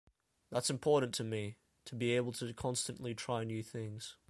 That's important to me - to be able to constantly try new things.